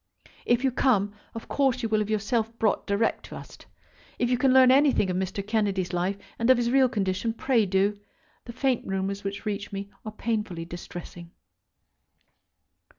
If you come, of course you will have yourself brought direct to us. If you can learn anything of Mr. Kennedy's life, and of his real condition, pray do. The faint rumours which reach me are painfully distressing.